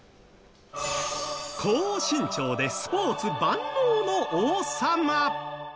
高身長でスポーツ万能の王様。